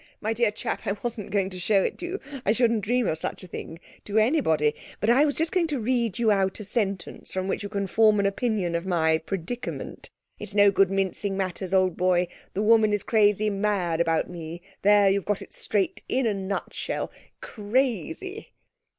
My dear chap! I wasn't going to show it to you I shouldn't dream of such a thing to anybody; but I was just going to read you out a sentence from which you can form an opinion of my predicament. It's no good mincing matters, old boy, the woman is crazy mad about me there you've got it straight in a nutshell. Crazy!'